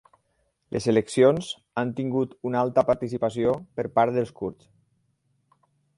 Les eleccions han tingut una alta participació per part dels kurds